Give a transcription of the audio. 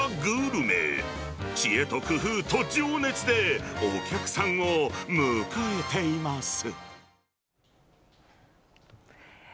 知恵と工夫と情熱で、お客さんを迎えています。